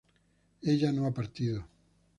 ella no ha partido